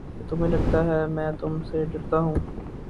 تمہیں لگتا ہے میں تم سے ڈرتا ہوں؟